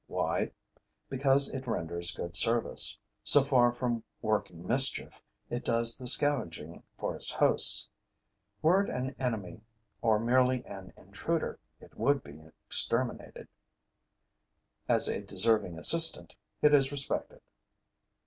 Why? Because it renders good service: so far from working mischief, it does the scavenging for its hosts. Were it an enemy or merely an intruder, it would be exterminated; as a deserving assistant, it is respected.